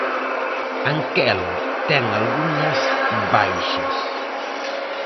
Anquela ten algunhas baixas.